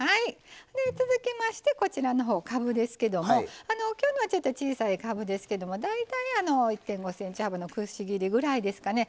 続きましてこちらのほうかぶですけども今日のはちょっと小さいかぶですけども大体１．５ｃｍ幅のくし切りぐらいですかね。